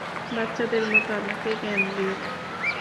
বাচ্চাদের মত আমাকে জ্ঞান দিও না।